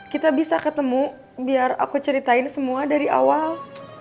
kita bisa ketemu biar aku ceritain semua dari awal